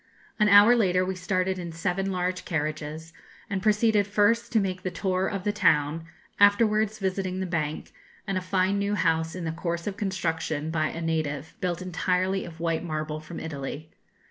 An hour later we started in seven large carriages, and proceeded first to make the tour of the town, afterwards visiting the bank, and a fine new house in the course of construction by a native, built entirely of white marble from Italy.